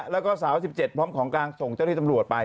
แล้วก็สาวสิบเจ็ดพร้อมของกางส่งเจ้าที่ตำรวจไป